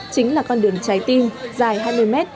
chính là con đường trái tim dài hai mươi mét